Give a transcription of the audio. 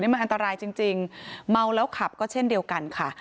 มันอันตรายจริงเมาแล้วขับก็เช่นเดียวกันค่ะ